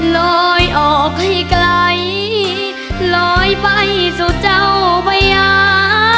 ลอยออกให้ไกลลอยไปสู่เจ้าพญา